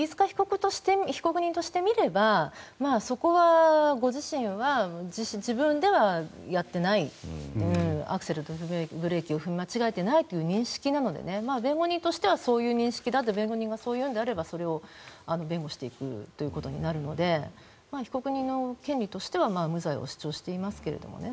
被告人としてみればそこは、ご自身は自分では、やってないアクセルとブレーキを踏み間違えていないという認識なので、弁護人としてはそういう認識だと弁護人としては弁護していくことになるので被告人の弁護としては無罪を主張していますけどね。